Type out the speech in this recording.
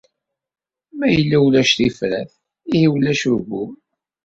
Ma yella ulac tifrat, ihi ulac ugur.